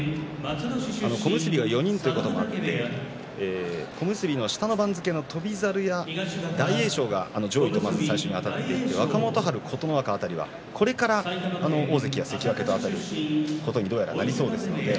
小結が４人ということもあって小結の下の番付の翔猿や大栄翔が上位と最初にあたって若元春、琴ノ若辺りはこれから大関や関脇とあたることにどうやらなりそうです。